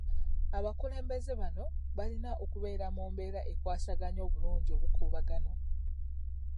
Abakulembeze bano balina okubeera mu mbeera ekwasaganya obulungi obukuubagano.